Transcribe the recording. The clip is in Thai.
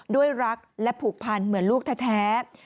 ด้วยรักและผูกพันเหมือนลูกแท้